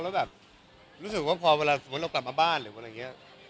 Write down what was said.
แล้วแบบรู้สึกว่าพอเวลาสมมุติเรากลับมาบ้านหรืออะไรอย่างนี้